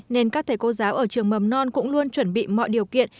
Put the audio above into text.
nên các thầy cô giáo ở trường mầm non cũng luôn chuẩn bị mọi điều kiện